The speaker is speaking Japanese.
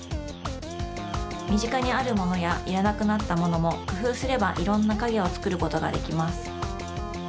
みぢかにあるものやいらなくなったものもくふうすればいろんなかげをつくることができます。